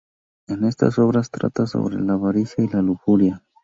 En estas obras trata sobre la avaricia y la lujuria.